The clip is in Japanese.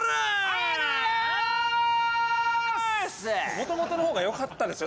もともとのほうがよかったですよ。